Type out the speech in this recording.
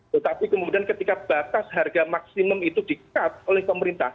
tetapi kemudian ketika batas harga maksimum itu di cut oleh pemerintah